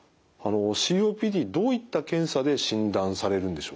ＣＯＰＤどういった検査で診断されるんでしょうか？